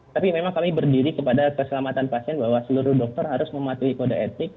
tapi memang kami berdiri kepada keselamatan pasien bahwa seluruh dokter harus mematuhi kode etik